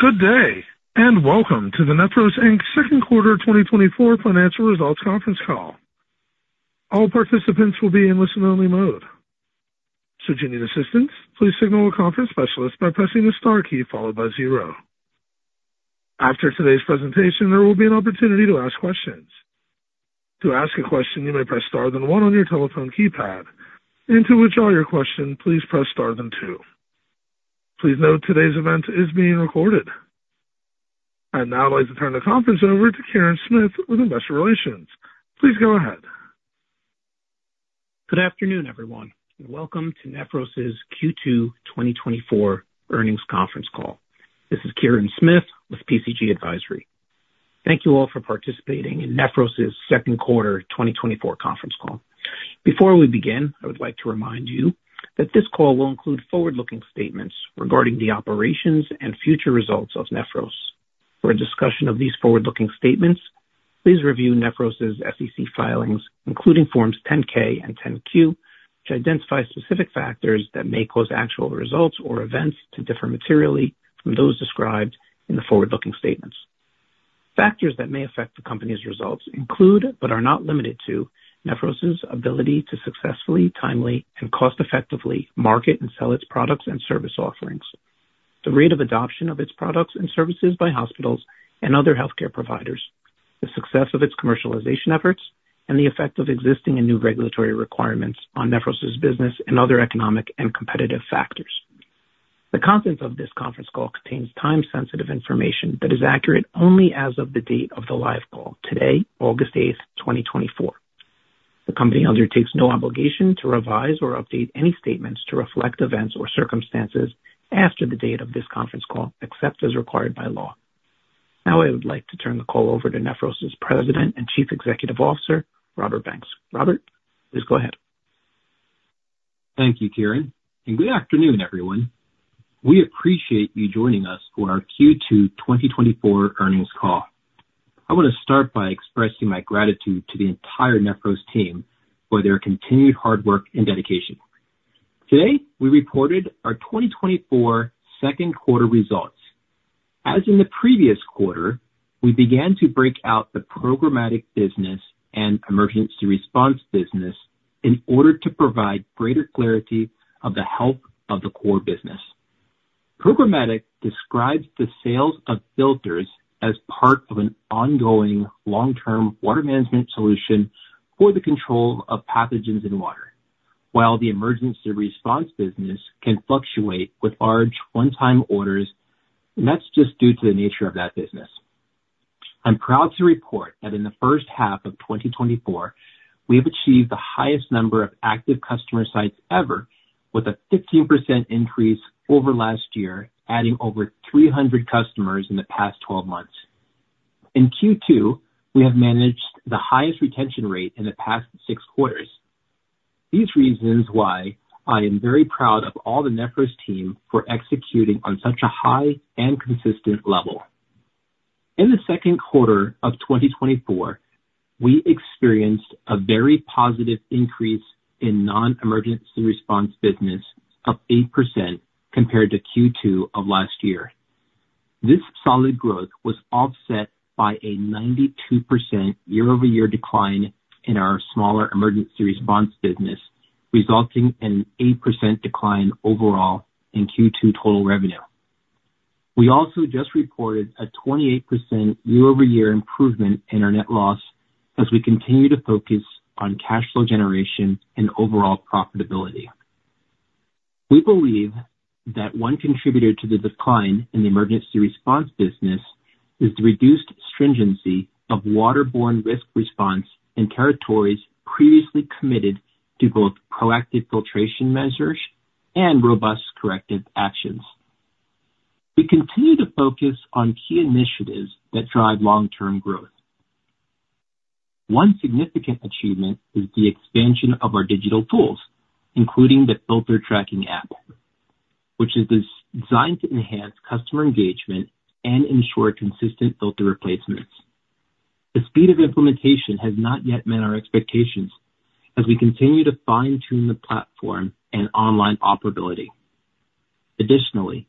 Good day, and welcome to the Nephros Inc.'s second quarter 2024 financial results conference call. All participants will be in listen-only mode. Should you need assistance, please signal a conference specialist by pressing the star key followed by zero. After today's presentation, there will be an opportunity to ask questions. To ask a question, you may press star then one on your telephone keypad, and to withdraw your question, please press star then two. Please note today's event is being recorded. I'd now like to turn the conference over to Kirin Smith with Investor Relations. Please go ahead. Good afternoon, everyone, and welcome to Nephros' Q2 2024 earnings conference call. This is Kirin Smith with PCG Advisory. Thank you all for participating in Nephros' second quarter 2024 conference call. Before we begin, I would like to remind you that this call will include forward-looking statements regarding the operations and future results of Nephros. For a discussion of these forward-looking statements, please review Nephros' SEC filings, including Forms 10-K and 10-Q, which identify specific factors that may cause actual results or events to differ materially from those described in the forward-looking statements. Factors that may affect the company's results include, but are not limited to, Nephros' ability to successfully, timely, and cost-effectively market and sell its products and service offerings, the rate of adoption of its products and services by hospitals and other healthcare providers, the success of its commercialization efforts, and the effect of existing and new regulatory requirements on Nephros' business and other economic and competitive factors. The content of this conference call contains time-sensitive information that is accurate only as of the date of the live call, today, August 8, 2024. The company undertakes no obligation to revise or update any statements to reflect events or circumstances after the date of this conference call, except as required by law. Now I would like to turn the call over to Nephros' President and Chief Executive Officer, Robert Banks. Robert, please go ahead. Thank you, Kirin, and good afternoon, everyone. We appreciate you joining us for our Q2 2024 earnings call. I want to start by expressing my gratitude to the entire Nephros team for their continued hard work and dedication. Today, we reported our 2024 second quarter results. As in the previous quarter, we began to break out the programmatic business and emergency response business in order to provide greater clarity of the health of the core business. Programmatic describes the sales of filters as part of an ongoing, long-term water management solution for the control of pathogens in water, while the emergency response business can fluctuate with large one-time orders, and that's just due to the nature of that business. I'm proud to report that in the first half of 2024, we have achieved the highest number of active customer sites ever, with a 15% increase over last year, adding over 300 customers in the past 12 months. In Q2, we have managed the highest retention rate in the past 6 quarters. These reasons why I am very proud of all the Nephros team for executing on such a high and consistent level. In the second quarter of 2024, we experienced a very positive increase in non-emergency response business of 8% compared to Q2 of last year. This solid growth was offset by a 92% year-over-year decline in our smaller emergency response business, resulting in an 8% decline overall in Q2 total revenue. We also just reported a 28% year-over-year improvement in our net loss as we continue to focus on cash flow generation and overall profitability. We believe that one contributor to the decline in the emergency response business is the reduced stringency of waterborne risk response in territories previously committed to both proactive filtration measures and robust corrective actions. We continue to focus on key initiatives that drive long-term growth. One significant achievement is the expansion of our digital tools, including the filter tracking app, which is designed to enhance customer engagement and ensure consistent filter replacements. The speed of implementation has not yet met our expectations as we continue to fine-tune the platform and online operability. Additionally,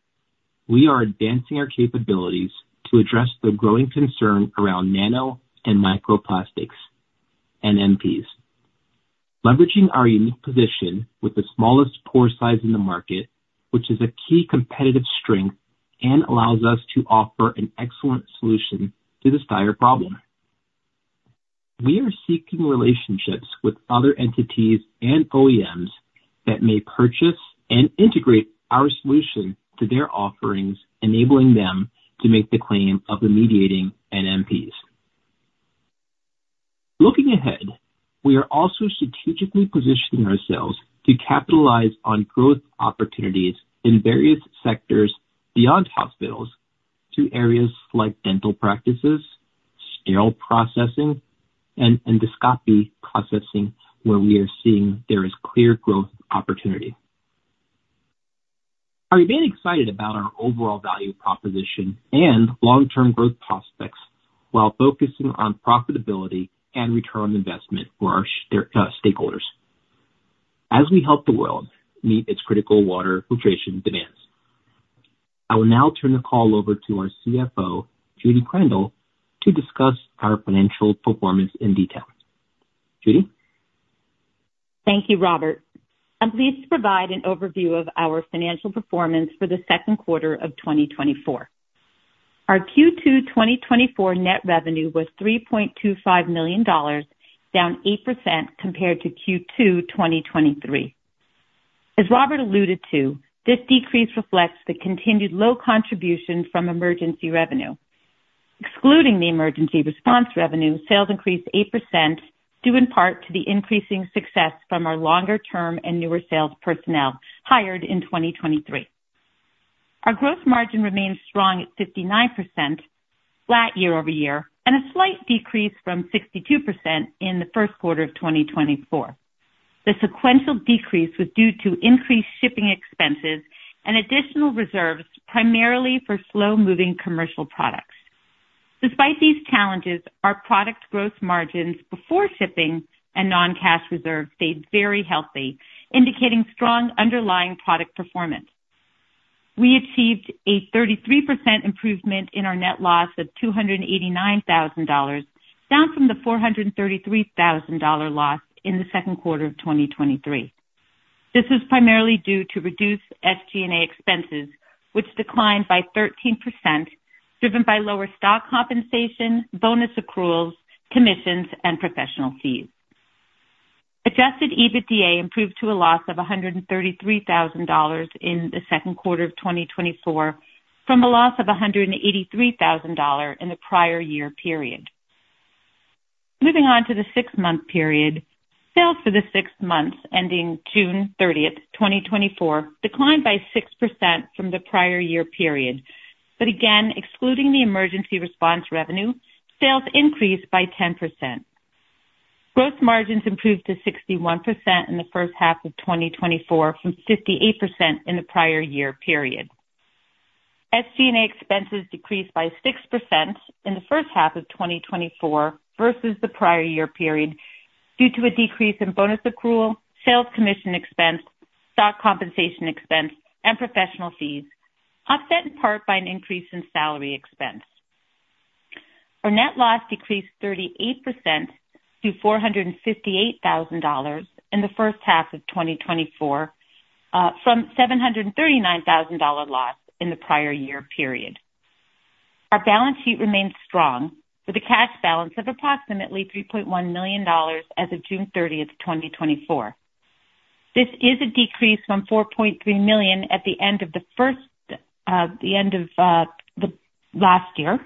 we are advancing our capabilities to address the growing concern around nano and microplastics NMPs, leveraging our unique position with the smallest pore size in the market, which is a key competitive strength and allows us to offer an excellent solution to this dire problem. We are seeking relationships with other entities and OEMs that may purchase and integrate our solution to their offerings, enabling them to make the claim of remediating NMPs. Looking ahead, we are also strategically positioning ourselves to capitalize on growth opportunities in various sectors beyond hospitals to areas like dental practices, sterile processing, and endoscopy processing, where we are seeing there is clear growth opportunity. I remain excited about our overall value proposition and long-term growth prospects while focusing on profitability and return on investment for our stakeholders. As we help the world meet its critical water filtration demands. I will now turn the call over to our CFO, Judy Krandel, to discuss our financial performance in detail. Judy? Thank you, Robert. I'm pleased to provide an overview of our financial performance for the second quarter of 2024. Our Q2 2024 net revenue was $3.25 million, down 8% compared to Q2 2023. As Robert alluded to, this decrease reflects the continued low contribution from emergency revenue. Excluding the emergency response revenue, sales increased 8%, due in part to the increasing success from our longer-term and newer sales personnel hired in 2023. Our gross margin remains strong at 59%, flat year-over-year, and a slight decrease from 62% in the first quarter of 2024. The sequential decrease was due to increased shipping expenses and additional reserves, primarily for slow-moving commercial products. Despite these challenges, our product gross margins before shipping and non-cash reserves stayed very healthy, indicating strong underlying product performance. We achieved a 33% improvement in our net loss of $289,000, down from the $433,000 loss in the second quarter of 2023. This is primarily due to reduced SG&A expenses, which declined by 13%, driven by lower stock compensation, bonus accruals, commissions, and professional fees. Adjusted EBITDA improved to a loss of $133,000 in the second quarter of 2024, from a loss of $183,000 in the prior year period. Moving on to the six-month period. Sales for the six months ending June 30, 2024, declined by 6% from the prior year period, but again, excluding the emergency response revenue, sales increased by 10%. Gross margins improved to 61% in the first half of 2024, from 58% in the prior year period. SG&A expenses decreased by 6% in the first half of 2024 versus the prior year period, due to a decrease in bonus accrual, sales commission expense, stock compensation expense, and professional fees, offset in part by an increase in salary expense. Our net loss decreased 38% to $458,000 in the first half of 2024, from $739,000 loss in the prior year period. Our balance sheet remains strong, with a cash balance of approximately $3.1 million as of June 30, 2024. This is a decrease from $4.3 million at the end of the first, the end of, the last year,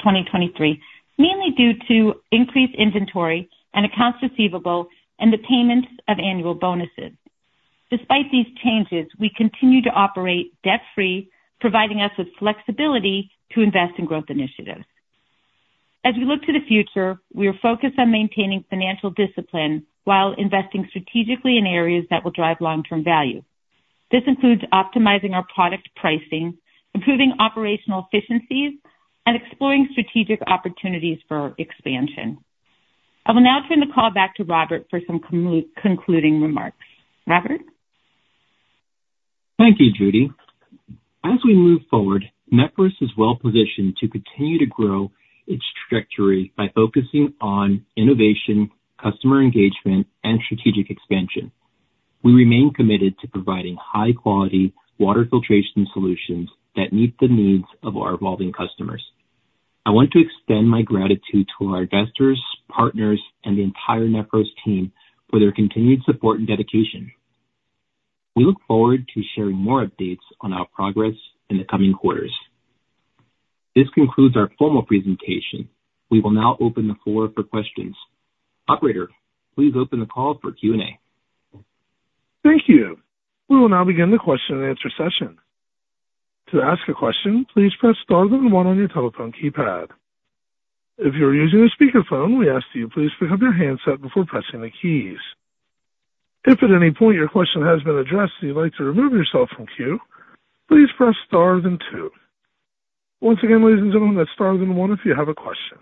2023, mainly due to increased inventory and accounts receivable and the payments of annual bonuses. Despite these changes, we continue to operate debt-free, providing us with flexibility to invest in growth initiatives. As we look to the future, we are focused on maintaining financial discipline while investing strategically in areas that will drive long-term value. This includes optimizing our product pricing, improving operational efficiencies, and exploring strategic opportunities for expansion. I will now turn the call back to Robert for some concluding remarks. Robert? Thank you, Judy. As we move forward, Nephros is well positioned to continue to grow its trajectory by focusing on innovation, customer engagement, and strategic expansion. We remain committed to providing high-quality water filtration solutions that meet the needs of our evolving customers. I want to extend my gratitude to our investors, partners, and the entire Nephros team for their continued support and dedication. We look forward to sharing more updates on our progress in the coming quarters. This concludes our formal presentation. We will now open the floor for questions. Operator, please open the call for Q&A. Thank you. We will now begin the question and answer session. To ask a question, please press star then one on your telephone keypad. If you are using a speakerphone, we ask that you please pick up your handset before pressing the keys. If at any point your question has been addressed and you'd like to remove yourself from queue, please press star then two. Once again, ladies and gentlemen, that's star then one if you have a question.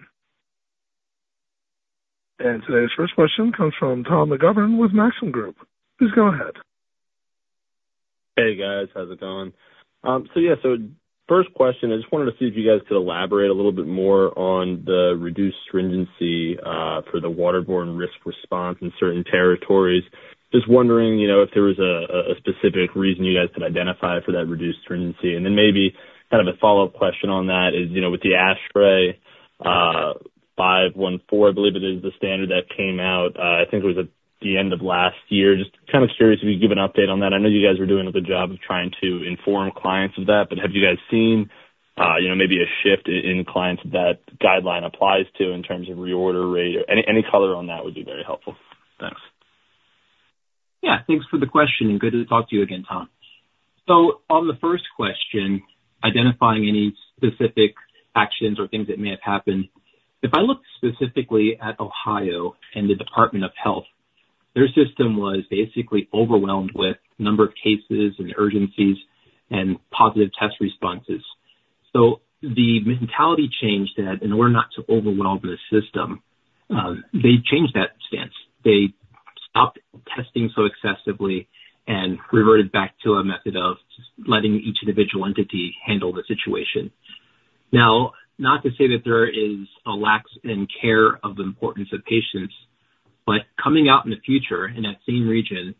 Today's first question comes from Tom McGovern with Maxim Group. Please go ahead. Hey, guys. How's it going? So yeah, so first question, I just wanted to see if you guys could elaborate a little bit more on the reduced stringency for the waterborne risk response in certain territories. Just wondering, you know, if there was a specific reason you guys can identify for that reduced stringency? And then maybe kind of a follow-up question on that is, you know, with the ASHRAE 514, I believe it is, the standard that came out, I think it was at the end of last year, just kind of curious if you could give an update on that. I know you guys are doing a good job of trying to inform clients of that, but have you guys seen, you know, maybe a shift in clients that guideline applies to in terms of reorder rate? Any color on that would be very helpful. Thanks. Yeah, thanks for the question, and good to talk to you again, Tom. So on the first question, identifying any specific actions or things that may have happened, if I look specifically at Ohio and the Department of Health, their system was basically overwhelmed with number of cases and urgencies and positive test responses. So the mentality changed that in order not to overwhelm the system, they changed that stance. They stopped testing so excessively and reverted back to a method of just letting each individual entity handle the situation. Now, not to say that there is a lax in care of the importance of patients, but coming out in the future, in that same region,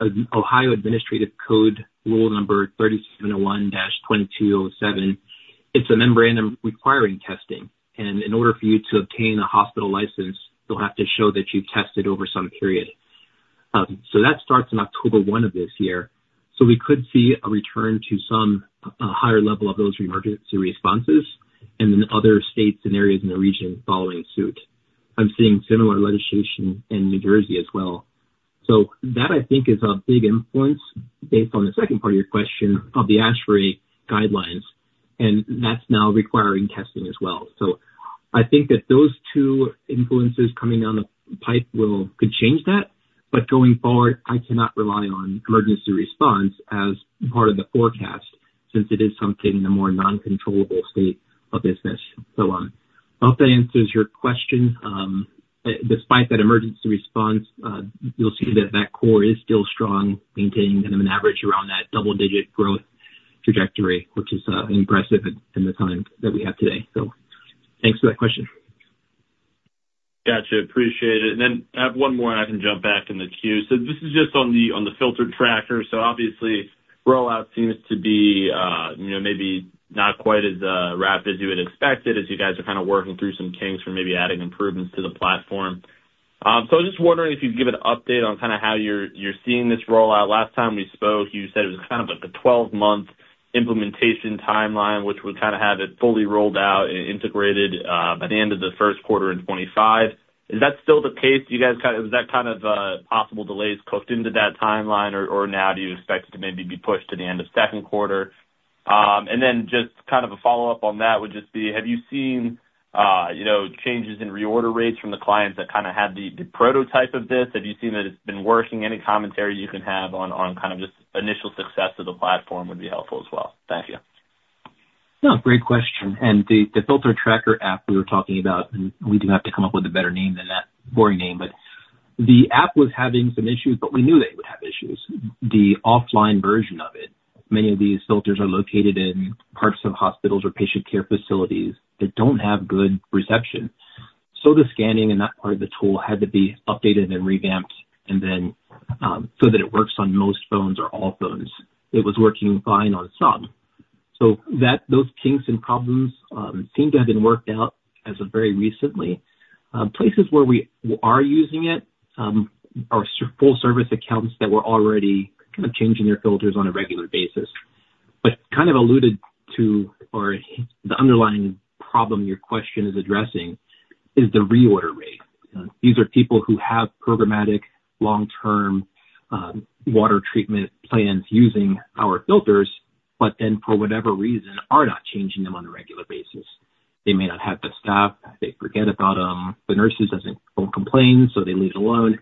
an Ohio Administrative Code, rule number 3701-22-07, it's a memorandum requiring testing, and in order for you to obtain a hospital license, you'll have to show that you've tested over some period. So that starts on October 1 of this year. So we could see a return to some a higher level of those emergency responses and then other states and areas in the region following suit. I'm seeing similar legislation in New Jersey as well. So that, I think, is a big influence based on the second part of your question of the ASHRAE guidelines, and that's now requiring testing as well. So I think that those two influences coming down the pipe could change that, but going forward, I cannot rely on emergency response as part of the forecast since it is something in a more non-controllable state of business and so on. I hope that answers your question. Despite that emergency response, you'll see that that core is still strong, maintaining kind of an average around that double-digit growth trajectory, which is impressive in the time that we have today. So thanks for that question. Gotcha. Appreciate it. And then I have one more, and I can jump back in the queue. So this is just on the filter tracker. So obviously, rollout seems to be, you know, maybe not quite as rapid as you would expect it, as you guys are kind of working through some kinks or maybe adding improvements to the platform. So I was just wondering if you'd give an update on kind of how you're seeing this rollout. Last time we spoke, you said it was kind of like a 12-month implementation timeline, which would kind of have it fully rolled out and integrated, by the end of the first quarter in 2025. Is that still the case? Do you guys kind of Is that kind of possible delays cooked into that timeline or now do you expect it to maybe be pushed to the end of second quarter? And then just kind of a follow-up on that would just be: have you seen you know changes in reorder rates from the clients that kind of have the prototype of this? Have you seen that it's been working? Any commentary you can have on kind of just initial success of the platform would be helpful as well. Thank you. No, great question. And the filter tracking app we were talking about, and we do have to come up with a better name than that boring name, but the app was having some issues, but we knew that it would have issues. The offline version of it, many of these filters are located in parts of hospitals or patient care facilities that don't have good reception. So the scanning and that part of the tool had to be updated and revamped, and then so that it works on most phones or all phones. It was working fine on some. So that, those kinks and problems seem to have been worked out as of very recently. Places where we are using it are full service accounts that were already kind of changing their filters on a regular basis. But kind of alluded to, or the underlying problem your question is addressing, is the reorder rate. These are people who have programmatic long-term water treatment plans using our filters, but then, for whatever reason, are not changing them on a regular basis. They may not have the staff. They forget about them. The nurses doesn't, won't complain, so they leave it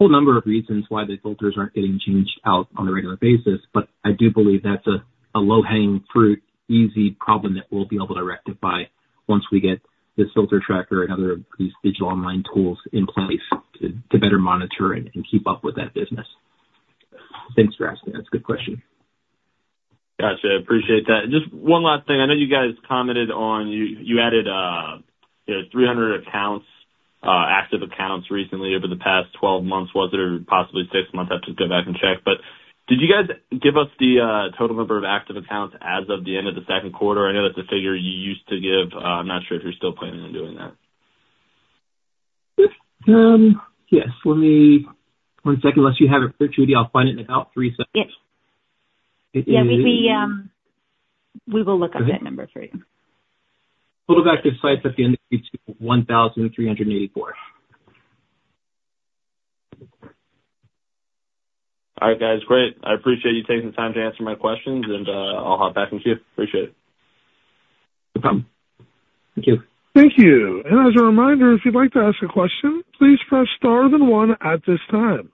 alone. A whole number of reasons why the filters aren't getting changed out on a regular basis, but I do believe that's a low-hanging fruit, easy problem that we'll be able to rectify once we get this filter tracker and other of these digital online tools in place to better monitor and keep up with that business. Thanks for asking. That's a good question. Gotcha. Appreciate that. Just one last thing. I know you guys commented on you added 300 accounts, active accounts recently over the past 12 months, was it? Or possibly six months. I have to go back and check. But did you guys give us the total number of active accounts as of the end of the second quarter? I know that's a figure you used to give. I'm not sure if you're still planning on doing that. Yes. Let me one second. Unless you have it there, Judy, I'll find it in about three seconds. Yes. It is- Yeah, we will look up that number for you. Total active sites at the end of Q2, 1,384. All right, guys. Great. I appreciate you taking the time to answer my questions, and I'll hop back in the queue. Appreciate it. No problem. Thank you. Thank you. As a reminder, if you'd like to ask a question, please press star then one at this time.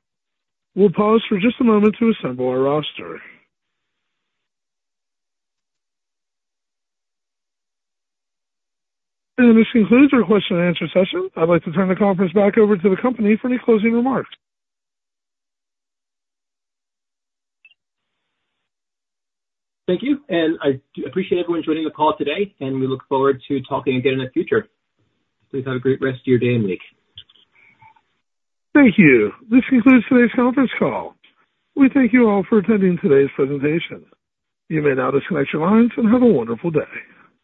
We'll pause for just a moment to assemble our roster. This concludes our question and answer session. I'd like to turn the conference back over to the company for any closing remarks. Thank you, and I do appreciate everyone joining the call today, and we look forward to talking again in the future. Please have a great rest of your day and week. Thank you. This concludes today's conference call. We thank you all for attending today's presentation. You may now disconnect your lines and have a wonderful day.